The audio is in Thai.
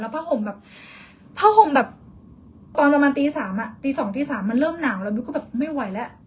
ผ้าห่มแบบผ้าห่มแบบตอนประมาณตี๓ตี๒ตี๓มันเริ่มหนาวแล้วมิวก็แบบไม่ไหวแล้ว